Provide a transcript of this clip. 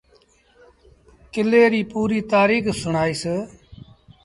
ڪلي ريٚ پوريٚ تآريٚک سُڻآئيٚس